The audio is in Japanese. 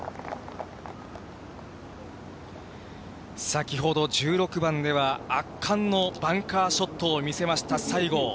先ほど１６番では、圧巻のバンカーショットを見せました、西郷。